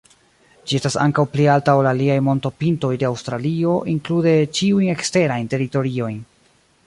Ĝi estas ankaŭ pli alta ol aliaj montopintoj de Aŭstralio, inklude ĉiujn eksterajn teritoriojn.